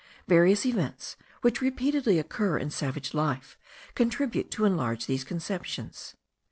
Various events, which repeatedly occur in savage life, contribute to enlarge these conceptions.